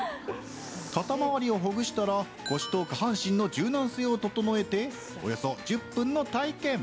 肩周りをほぐしたら腰と下半身の柔軟性を整えて、およそ１０分の体験。